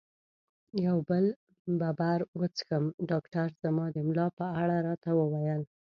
یو بل بیر وڅښم؟ ډاکټر زما د ملا په اړه راته وویل.